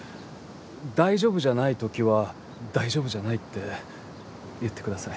大丈夫じゃない時は大丈夫じゃないって言ってください。